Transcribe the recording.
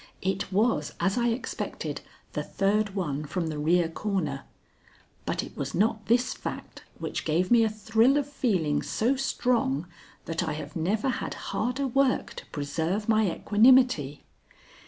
It was, as I expected, the third one from the rear corner; but it was not this fact which gave me a thrill of feeling so strong that I have never had harder work to preserve my equanimity.